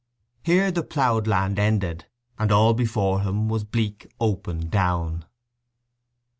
Here the ploughed land ended, and all before him was bleak open down.